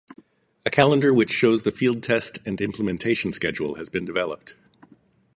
A calendar which shows the field test and implementation schedule has been developed.